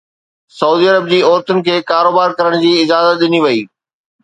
سعودي عرب جي عورتن کي ڪاروبار ڪرڻ جي اجازت ڏني وئي